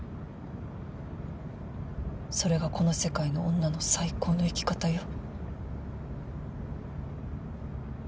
それがこの世界の女の最高の生き方よ。